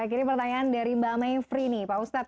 baik ini pertanyaan dari mba mevry nih pak ustadz